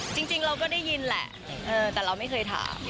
จริงเราก็ได้ยินแหละแต่เราไม่เคยถาม